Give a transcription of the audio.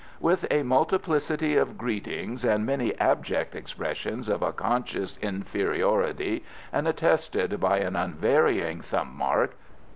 With a multiplicity of greetings and many abject expressions of a conscious inferiority, and attested by an unvarying thumb mark.